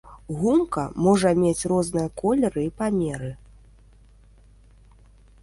Гумка можа мець розныя колеры і памеры.